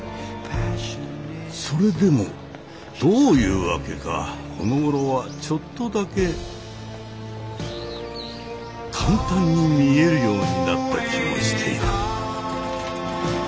それでもどういうわけかこのごろはちょっとだけ簡単に見えるようになった気もしている。